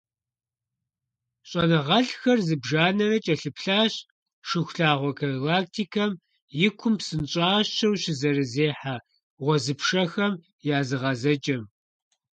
ЩIэныгъэлIхэр зыбжанэрэ кIэлъыплъащ Шыхулъагъуэ галактикэм и кум псынщIащэу щызэрызехьэ гъуэзыпшэхэм я зыгъэзэкIэм.